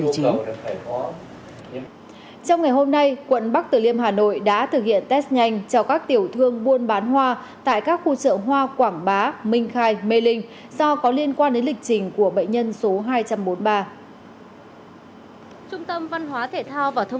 trong ngày hôm nay quận bắc tử liêm hà nội đã thực hiện test nhanh cho các tiểu thương buôn bán hoa tại các khu chợ hoa quảng bá minh khai mê linh do có liên quan đến lịch trình của bệnh nhân số hai trăm bốn mươi ba